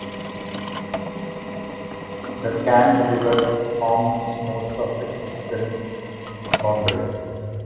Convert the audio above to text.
The Cam River forms most of the eastern boundary.